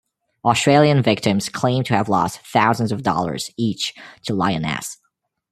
Australian victims claim to have lost thousands of dollars each to Lyoness.